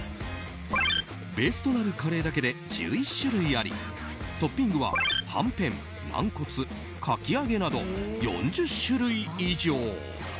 ベースとなるカレーだけで１１種類ありトッピングは、はんぺん、軟骨かき揚げなど４０種類以上。